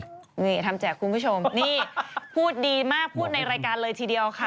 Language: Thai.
นี่ทำแจกคุณผู้ชมนี่พูดดีมากพูดในรายการเลยทีเดียวค่ะ